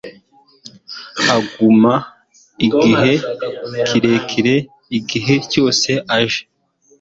aguma igihe kirekire igihe cyose aje